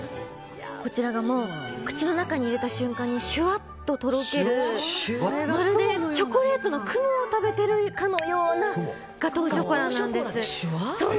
こちらが口の中に入れた瞬間にしゅわっととろけるまるでチョコレートの雲を食べてるかのようなガトーショコラなんです。